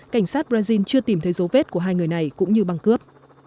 cảnh sát brazil chưa tìm thấy dấu vết của hai người này cũng như băng cướp